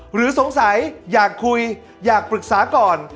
หรือสงสัยอยากคุยอยากปรึกษาก่อน